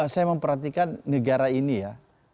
saya memperhatikan negara ini ya